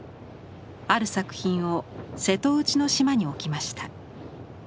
ある作品を瀬戸内の島に置きました。